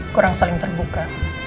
kurang saling terbuka